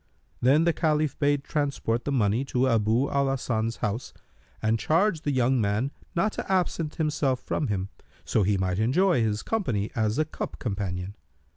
Then the Caliph bade transport the money to Abu al Hasan's house and charged the young man not to absent himself from him, so he might enjoy his company as a cup companion.